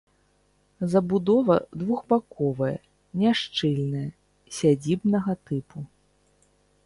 Забудова двухбаковая, няшчыльная, сядзібнага тыпу.